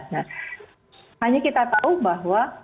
nah hanya kita tahu bahwa